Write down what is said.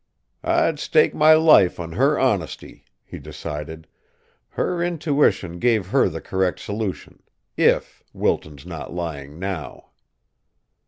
"I'd stake my life on her honesty," he decided. "Her intuition gave her the correct solution if Wilton's not lying now!"